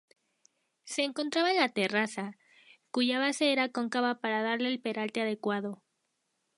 Se encontraba en la terraza, cuya base era cóncava para darle el peralte adecuado.